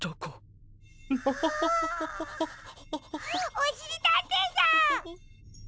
おしりたんていさん！